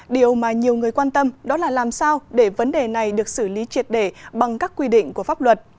điều mà nhiều người quan tâm đó là làm sao để vấn đề này được xử lý triệt để bằng các quy định của pháp luật